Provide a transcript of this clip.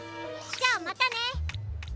じゃまたね。